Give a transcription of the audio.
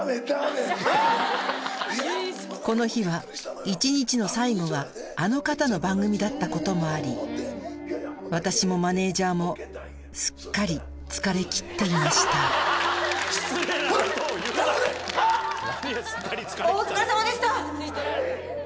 この日は一日の最後があの方の番組だったこともあり私もマネジャーもすっかり疲れ切っていましたお疲れさまでした。